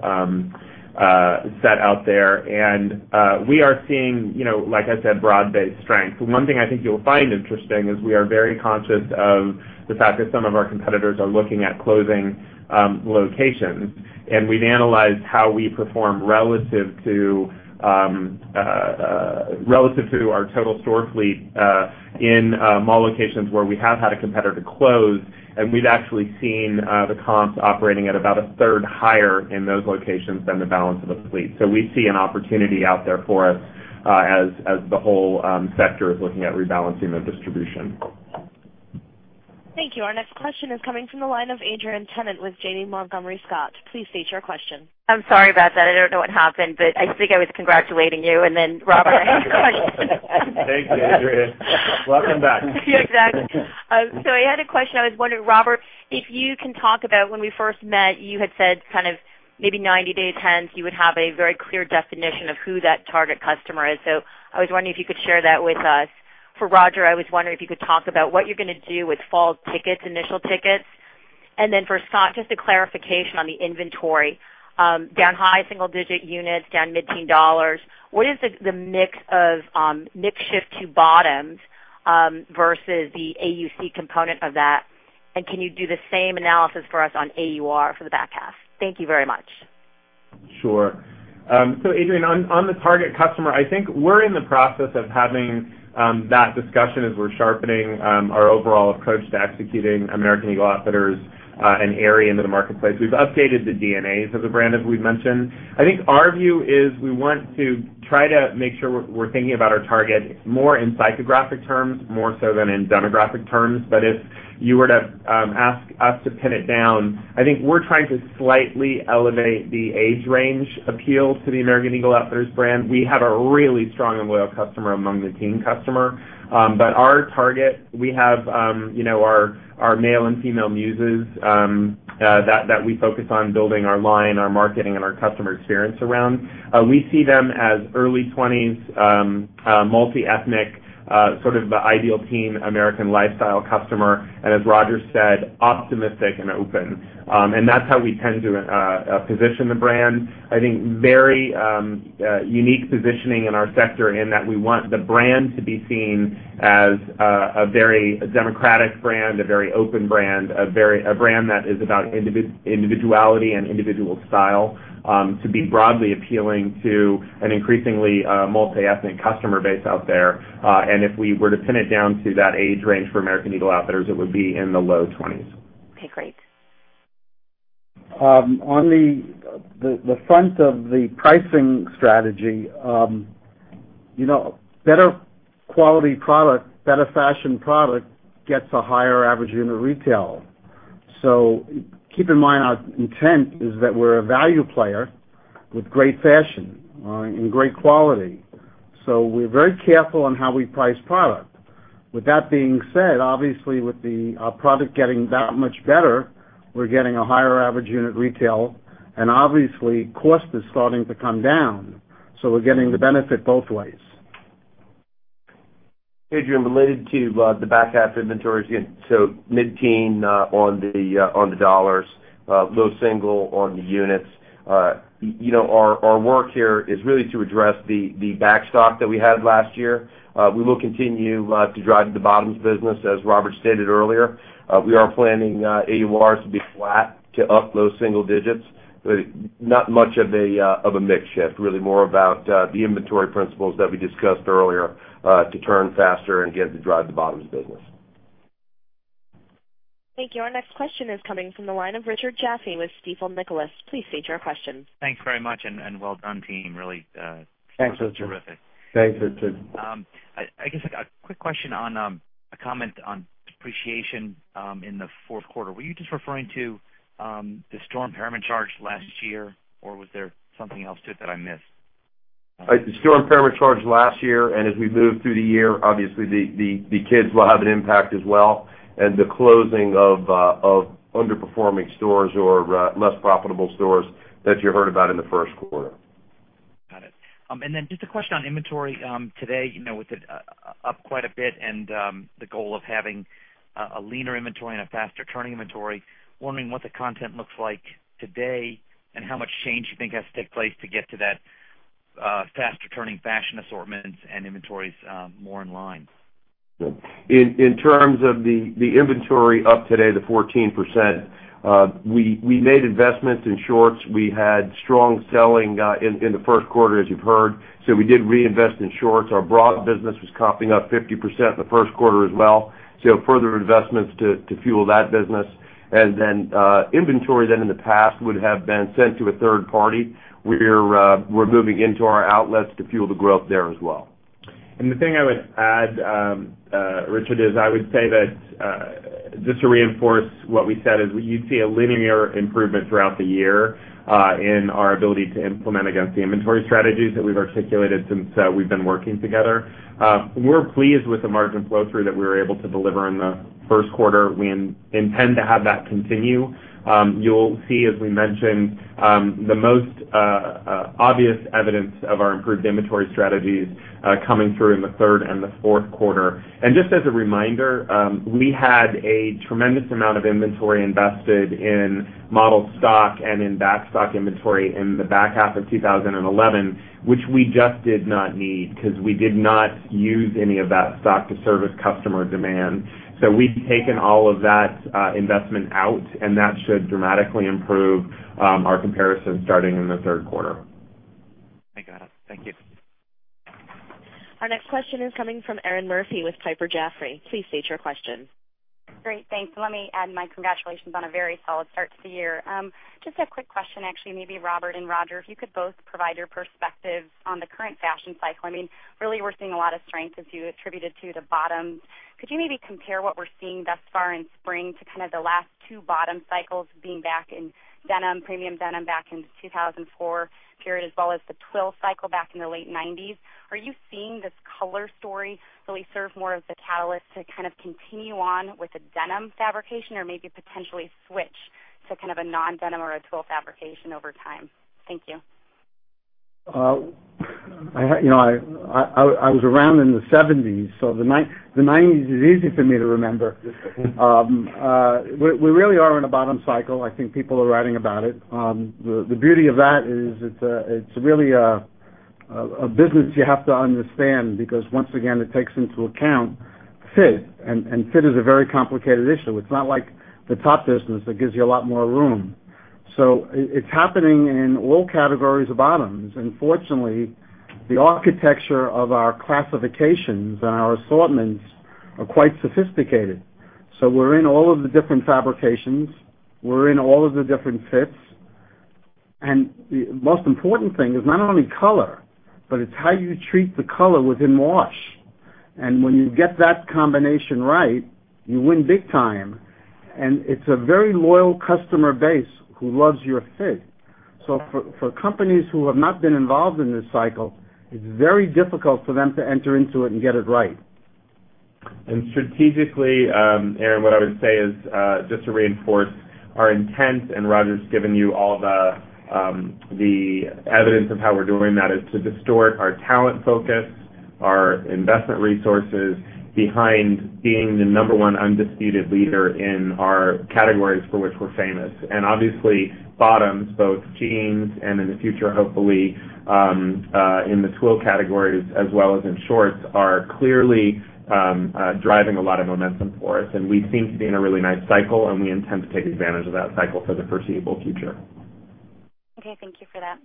set out there. We are seeing, like I said, broad-based strength. One thing I think you'll find interesting is we are very conscious of the fact that some of our competitors are looking at closing locations, and we've analyzed how we perform relative to our total store fleet in mall locations where we have had a competitor close, and we've actually seen the comps operating at about a third higher in those locations than the balance of the fleet. We see an opportunity out there for us as the whole sector is looking at rebalancing the distribution. Thank you. Our next question is coming from the line of Adrienne Yih with Janney Montgomery Scott. Please state your question. I'm sorry about that. I don't know what happened, I think I was congratulating you and then Robert. Thank you, Adrienne. Welcome back. Yeah, exactly. I had a question. I was wondering, Robert, if you can talk about when we first met, you had said kind of maybe 90 day tends, you would have a very clear definition of who that target customer is. I was wondering if you could share that with us. For Roger, I was wondering if you could talk about what you're going to do with fall tickets, initial tickets. For Scott, just a clarification on the inventory. Down high single digit units, down mid-teen dollars. What is the mix shift to bottoms versus the AUC component of that, and can you do the same analysis for us on AUR for the back half? Thank you very much. Sure. Adrienne, on the target customer, I think we're in the process of having that discussion as we're sharpening our overall approach to executing American Eagle Outfitters and Aerie into the marketplace. We've updated the DNAs of the brand, as we've mentioned. I think our view is we want to try to make sure we're thinking about our target more in psychographic terms, more so than in demographic terms. If you were to ask us to pin it down, I think we're trying to slightly elevate the age range appeal to the American Eagle Outfitters brand. We have a really strong and loyal customer among the teen customer. Our target, we have our male and female muses that we focus on building our line, our marketing, and our customer experience around. We see them as early 20s, multiethnic, sort of the ideal teen American lifestyle customer, and as Roger said, optimistic and open. That's how we tend to position the brand. I think very unique positioning in our sector in that we want the brand to be seen as a very democratic brand, a very open brand, a brand that is about individuality and individual style to be broadly appealing to an increasingly multiethnic customer base out there. If we were to pin it down to that age range for American Eagle Outfitters, it would be in the low 20s. Okay, great. On the front of the pricing strategy. Better quality product, better fashion product, gets a higher average unit retail. Keep in mind, our intent is that we're a value player with great fashion and great quality. With that being said, obviously, with our product getting that much better, we're getting a higher average unit retail, and obviously, cost is starting to come down. We're getting the benefit both ways. Adrienne, related to the back half inventories, so mid-teen on the $, low single on the units. Our work here is really to address the back stock that we had last year. We will continue to drive the bottoms business, as Robert stated earlier. We are planning AURs to be flat to up low single digits. Not much of a mix shift, really more about the inventory principles that we discussed earlier to turn faster and get to drive the bottoms business. Thank you. Our next question is coming from the line of Richard Jaffe with Stifel Nicolaus. Please state your questions. Thanks very much, and well done, team. Thanks, Richard. Terrific. Thanks, Richard. I guess a quick question on a comment on depreciation in the fourth quarter. Were you just referring to the store impairment charge last year, or was there something else to it that I missed? The store impairment charge last year, as we move through the year, obviously the kids will have an impact as well, the closing of underperforming stores or less profitable stores that you heard about in the first quarter. Got it. Then just a question on inventory today. With it up quite a bit and the goal of having a leaner inventory and a faster turning inventory, wondering what the content looks like today and how much change you think has to take place to get to that faster turning fashion assortments and inventories more in line. In terms of the inventory up today, the 14%, we made investments in shorts. We had strong selling in the first quarter, as you've heard. We did reinvest in shorts. Our bra business was comping up 50% the first quarter as well. Further investments to fuel that business. Then inventory that in the past would have been sent to a third party, we're moving into our outlets to fuel the growth there as well. The thing I would add, Richard, is just to reinforce what we said, you'd see a linear improvement throughout the year in our ability to implement against the inventory strategies that we've articulated since we've been working together. We're pleased with the margin flow through that we were able to deliver in the first quarter. We intend to have that continue. You'll see, as we mentioned, the most obvious evidence of our improved inventory strategies coming through in the third and the fourth quarter. Just as a reminder, we had a tremendous amount of inventory invested in modeled stock and in backstock inventory in the back half of 2011, which we just did not need because we did not use any of that stock to service customer demand. We've taken all of that investment out, and that should dramatically improve our comparison starting in the third quarter. I got it. Thank you. Our next question is coming from Erinn Murphy with Piper Jaffray. Please state your question. Great, thanks. Let me add my congratulations on a very solid start to the year. Just a quick question actually, maybe Robert and Roger, if you could both provide your perspectives on the current fashion cycle. We're seeing a lot of strength as you attributed to the bottoms. Could you maybe compare what we're seeing thus far in spring to the last two bottom cycles being back in denim, premium denim back in 2004 period, as well as the twill cycle back in the late '90s. Are you seeing this color story really serve more as the catalyst to continue on with the denim fabrication or maybe potentially switch to a non-denim or a twill fabrication over time? Thank you. I was around in the '70s. The '90s is easy for me to remember. We really are in a bottom cycle. I think people are writing about it. The beauty of that is it's really a business you have to understand because once again, it takes into account fit, and fit is a very complicated issue. It's not like the top business that gives you a lot more room. It's happening in all categories of bottoms. Fortunately, the architecture of our classifications and our assortments are quite sophisticated. We're in all of the different fabrications. We're in all of the different fits. The most important thing is not only color, but it's how you treat the color within wash. When you get that combination right, you win big time. It's a very loyal customer base who loves your fit. For companies who have not been involved in this cycle, it's very difficult for them to enter into it and get it right. Strategically, Erinn, what I would say is just to reinforce our intent, and Roger's given you all the evidence of how we're doing that, is to distort our talent focus, our investment resources behind being the number 1 undisputed leader in our categories for which we're famous. Obviously, bottoms, both jeans and in the future, hopefully, in the twill categories as well as in shorts, are clearly driving a lot of momentum for us, and we seem to be in a really nice cycle, and we intend to take advantage of that cycle for the foreseeable future. Okay. Thank you for that.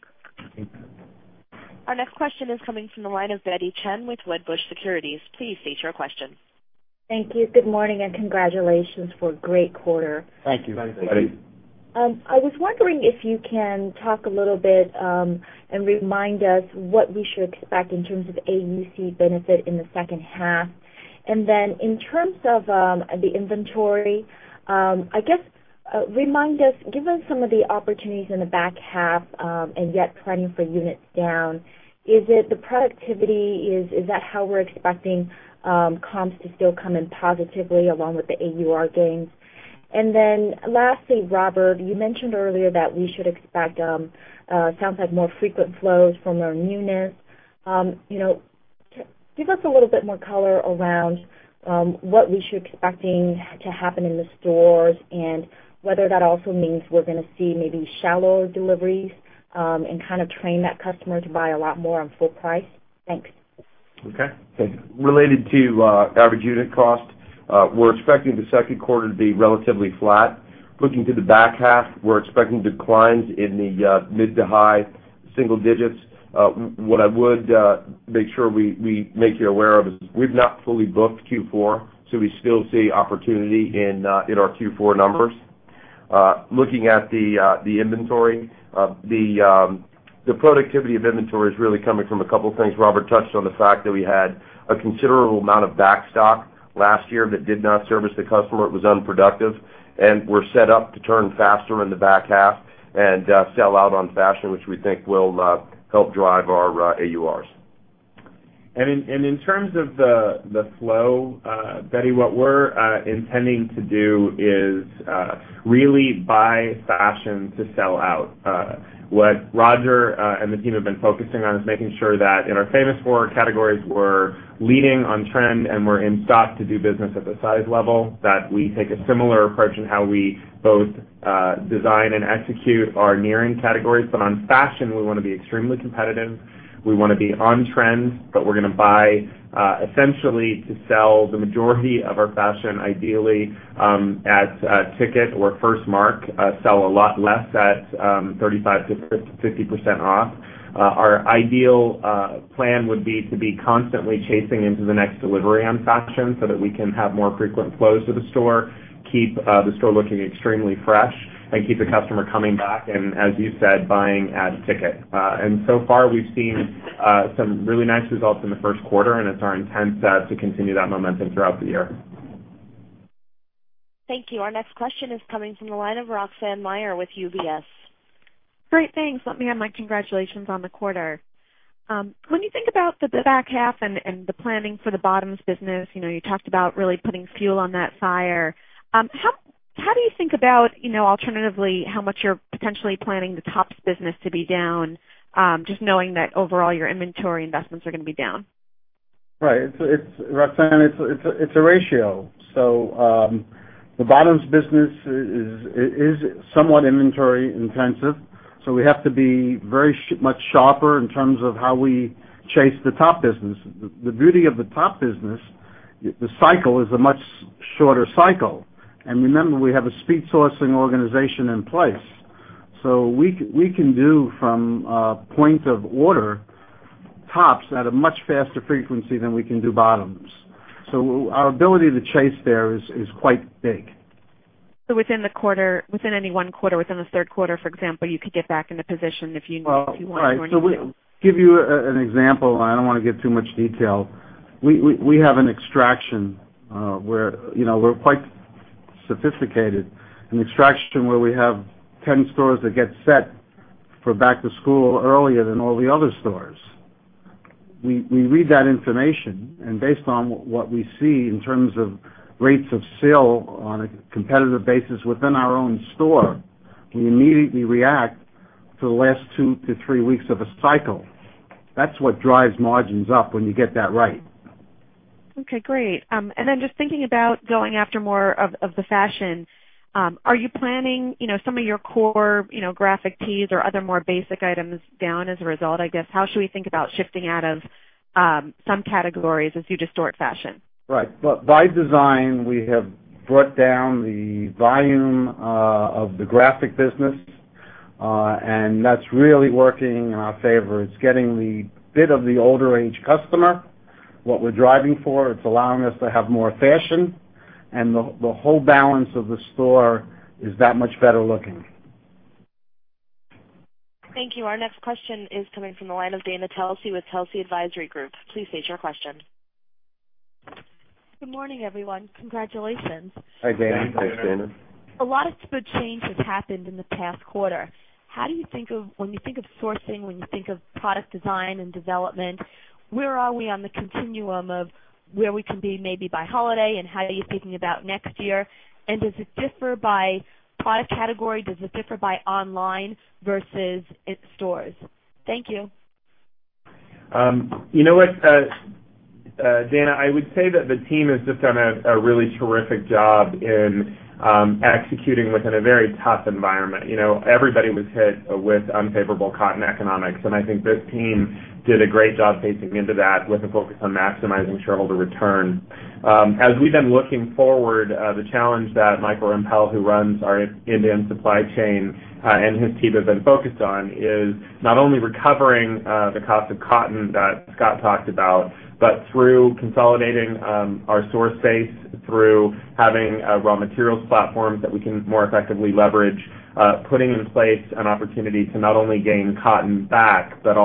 Our next question is coming from the line of Betty Chen with Wedbush Securities. Please state your question. Thank you. Good morning, congratulations for a great quarter. Thank you. Thanks, Betty. I was wondering if you can talk a little bit and remind us what we should expect in terms of AUC benefit in the second half. In terms of the inventory, I guess remind us, given some of the opportunities in the back half and yet planning for units down, is it the productivity? Is that how we're expecting comps to still come in positively along with the AUR gains? Lastly, Robert, you mentioned earlier that we should expect, sounds like more frequent flows from our newness. Give us a little bit more color around what we should be expecting to happen in the stores and whether that also means we're going to see maybe shallower deliveries and train that customer to buy a lot more on full price. Thanks. Okay. Related to average unit cost, we're expecting the second quarter to be relatively flat. Looking to the back half, we're expecting declines in the mid to high single digits. What I would make sure we make you aware of is we've not fully booked Q4, so we still see opportunity in our Q4 numbers. Looking at the inventory, the productivity of inventory is really coming from a couple of things. Robert touched on the fact that we had a considerable amount of backstock last year that did not service the customer. It was unproductive. We're set up to turn faster in the back half and sell out on fashion, which we think will help drive our AURs. In terms of the flow, Betty, what we're intending to do is really buy fashion to sell out. What Roger and the team have been focusing on is making sure that in our famous four categories, we're leading on trend, and we're in stock to do business at the size level that we take a similar approach in how we both design and execute our Aerie categories. On fashion, we want to be extremely competitive. We want to be on trend, but we're going to buy essentially to sell the majority of our fashion, ideally at ticket or first mark, sell a lot less at 35%-50% off. Our ideal plan would be to be constantly chasing into the next delivery on fashion so that we can have more frequent flows to the store, keep the store looking extremely fresh, and keep the customer coming back, and as you said, buying at ticket. So far, we've seen some really nice results in the first quarter, and it's our intent to continue that momentum throughout the year. Thank you. Our next question is coming from the line of Roxanne Meyer with UBS. Great. Thanks. Let me add my congratulations on the quarter. When you think about the back half and the planning for the bottoms business, you talked about really putting fuel on that fire. How do you think about alternatively how much you're potentially planning the tops business to be down, just knowing that overall your inventory investments are going to be down? Right. Roxanne, it's a ratio. The bottoms business is somewhat inventory intensive, we have to be very much sharper in terms of how we chase the top business. The beauty of the top business, the cycle is a much shorter cycle. Remember, we have a speed sourcing organization in place. We can do from a point of order tops at a much faster frequency than we can do bottoms. Our ability to chase there is quite big. Within any one quarter, within the third quarter, for example, you could get back into position if you want or need to. Right. We give you an example. I don't want to give too much detail. We have an extraction where we're quite sophisticated. An extraction where we have 10 stores that get set for back to school earlier than all the other stores. We read that information, and based on what we see in terms of rates of sale on a competitive basis within our own store, we immediately react to the last two to three weeks of a cycle. That's what drives margins up when you get that right. Okay, great. Just thinking about going after more of the fashion, are you planning some of your core graphic tees or other more basic items down as a result, I guess? How should we think about shifting out of some categories as you distort fashion? Right. By design, we have brought down the volume of the graphic business, and that's really working in our favor. It's getting the bit of the older age customer, what we're driving for. It's allowing us to have more fashion, and the whole balance of the store is that much better looking. Thank you. Our next question is coming from the line of Dana Telsey with Telsey Advisory Group. Please state your question. Good morning, everyone. Congratulations. Hi, Dana. Hi, Dana. A lot of good change has happened in the past quarter. When you think of sourcing, when you think of product design and development, where are we on the continuum of where we can be maybe by holiday, and how are you thinking about next year? Does it differ by product category? Does it differ by online versus in stores? Thank you. You know what, Dana? I would say that the team has just done a really terrific job in executing within a very tough environment. Everybody was hit with unfavorable cotton economics. I think this team did a great job baking into that with a focus on maximizing shareholder return. As we've been looking forward, the challenge that Michael Rempell, who runs our inbound supply chain, and his team have been focused on is not only recovering the cost of cotton that Scott talked about, but through consolidating our source base, through having raw materials platforms that we can more effectively leverage, putting in place an opportunity to not only gain cotton back, but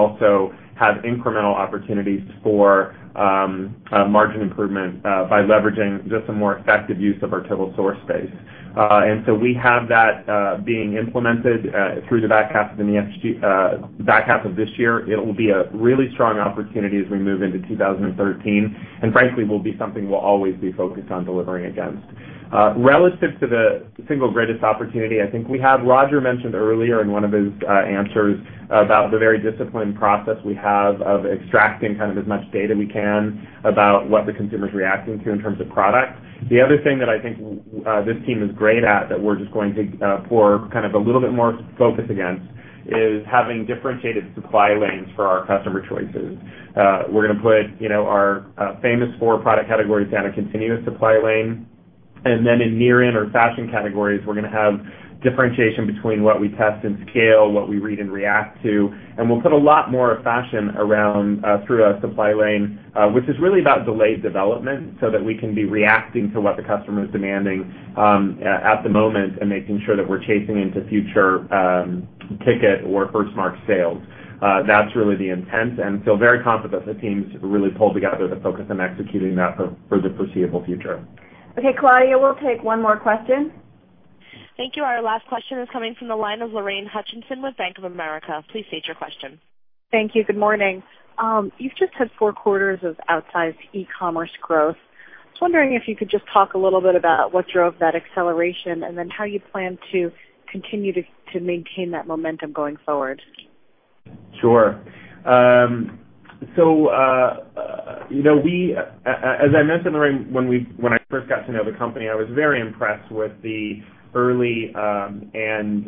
also have incremental opportunities for margin improvement by leveraging just a more effective use of our total source base. We have that being implemented through the back half of this year. It'll be a really strong opportunity as we move into 2013, and frankly, will be something we'll always be focused on delivering against. Relative to the single greatest opportunity, I think we have Roger mentioned earlier in one of his answers about the very disciplined process we have of extracting as much data we can about what the consumer is reacting to in terms of product. The other thing that I think this team is great at that we're just going to pour a little bit more focus against is having differentiated supply lanes for our customer choices. We're going to put our famous four product categories down a continuous supply lane. In near-in or fashion categories, we're going to have differentiation between what we test and scale, what we read and react to. We'll put a lot more fashion through our supply lane, which is really about delayed development so that we can be reacting to what the customer is demanding at the moment and making sure that we're chasing into future ticket or first mark sales. That's really the intent, and feel very confident the team's really pulled together to focus on executing that for the foreseeable future. Claudia, we'll take one more question. Thank you. Our last question is coming from the line of Lorraine Hutchinson with Bank of America. Please state your question. Thank you. Good morning. You've just had four quarters of outsized e-commerce growth. Wondering if you could just talk a little bit about what drove that acceleration and how you plan to continue to maintain that momentum going forward. Sure. As I mentioned, Lorraine, when I first got to know the company, I was very impressed with the early and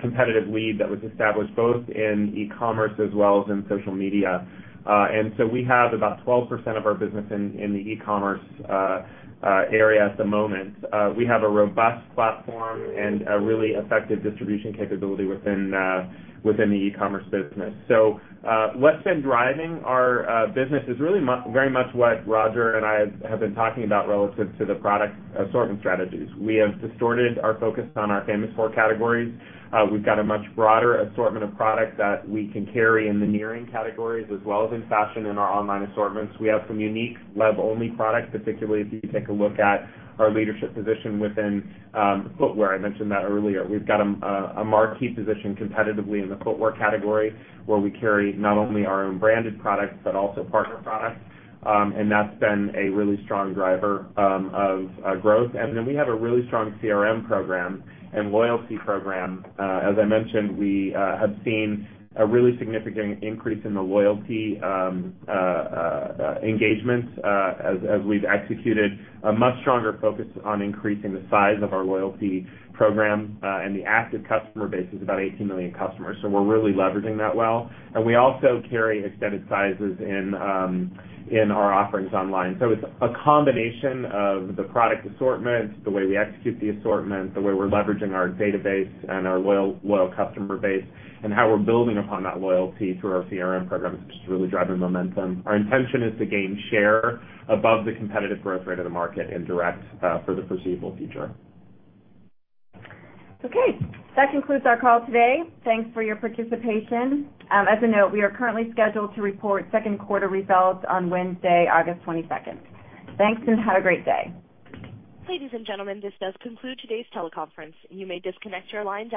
competitive lead that was established both in e-commerce as well as in social media. We have about 12% of our business in the e-commerce area at the moment. We have a robust platform and a really effective distribution capability within the e-commerce business. What's been driving our business is really very much what Roger and I have been talking about relative to the product assortment strategies. We have distorted our focus on our famous four categories. We've got a much broader assortment of product that we can carry in the near-in categories as well as in fashion in our online assortments. We have some unique web-only products, particularly if you take a look at our leadership position within footwear. I mentioned that earlier. We've got a marquee position competitively in the footwear category, where we carry not only our own branded products but also partner products. That's been a really strong driver of growth. Then we have a really strong CRM program and loyalty program. As I mentioned, we have seen a really significant increase in the loyalty engagements as we've executed a much stronger focus on increasing the size of our loyalty program. The active customer base is about 18 million customers, so we're really leveraging that well. We also carry extended sizes in our offerings online. It's a combination of the product assortment, the way we execute the assortment, the way we're leveraging our database and our loyal customer base, and how we're building upon that loyalty through our CRM programs, which is really driving momentum. Our intention is to gain share above the competitive growth rate of the market in direct for the foreseeable future. Okay. That concludes our call today. Thanks for your participation. As a note, we are currently scheduled to report second quarter results on Wednesday, August 22nd. Thanks, and have a great day. Ladies and gentlemen, this does conclude today's teleconference. You may disconnect your lines at this time.